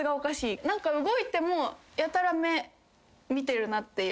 何か動いてもやたら目見てるなっていうか。